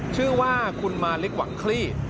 ชื่อว่าคุณมาริกหวังคลี่